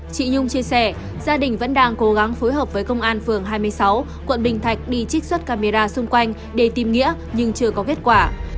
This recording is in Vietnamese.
chị nhung chia sẻ gia đình vẫn đang cố gắng phối hợp với công an phường hai mươi sáu quận bình thạnh đi trích xuất camera xung quanh để tìm nghĩa nhưng chưa có kết quả